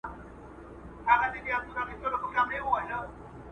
یا به دی پخپله غل وي یا یې پلار خلک شکولي `